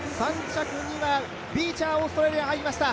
３着にはビーチャー、オーストラリアが入りました。